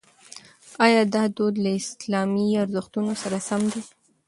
ایا دا دود له اسلامي ارزښتونو سره سم دی؟